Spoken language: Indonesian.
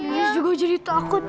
terus juga jadi takut